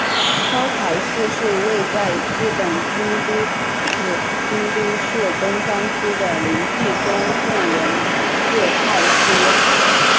高台寺是位在日本京都府京都市东山区的临济宗建仁寺派寺院。